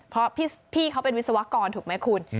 เพราะพี่เขาเป็นวิศวกรถูกไหมคุณ